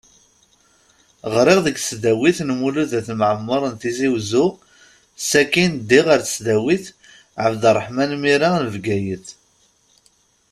Ɣriɣ deg tesdawit n Mulud At Mɛemmeṛ n Tizi Wezzu, sakin ddiɣ ar tesdawit ɛeb Erraḥman Mira n Bgayet.